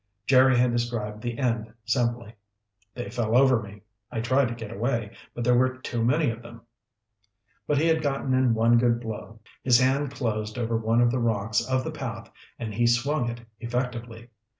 Jerry had described the end simply. "They fell over me. I tried to get away, but there were too many of them." But he had gotten in one good blow. His hand closed over one of the rocks of the path and he swung it effectively.